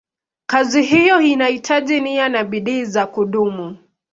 Kazi hiyo inahitaji nia na bidii za kudumu.